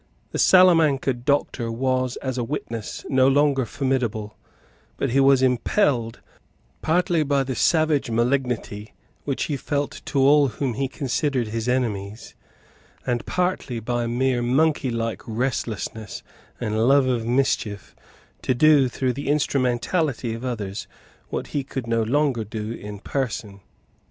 The Salamanca Doctor was, as a witness, no longer formidable; but he was impelled, partly by the savage malignity which he felt towards all whom he considered as his enemies, and partly by mere monkeylike restlessness and love of mischief, to do, through the instrumentality of others, what he could no longer do in person.